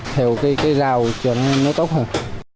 theo cái rau cho nó tốt hơn